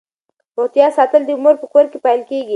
د روغتیا ساتل د مور په کور کې پیل کیږي.